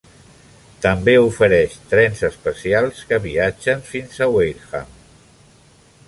També ofereix trens especials que viatgen fins a Wareham.